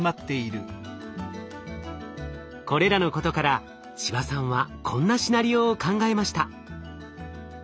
これらのことから千葉さんはこんなシナリオを考えました。